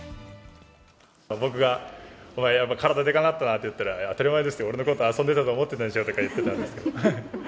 僕がお前、体でかなったなって言ったら、当たり前ですよ、僕のこと、遊んでたと思ったでしょとか言ってたんです。